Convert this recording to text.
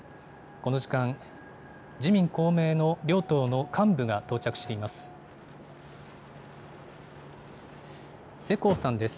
この時間、自民、公明の両党の幹部が到着しています。